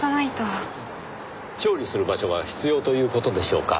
調理する場所が必要という事でしょうか？